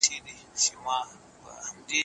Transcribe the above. هغه په خپل ځان پورې وخندل.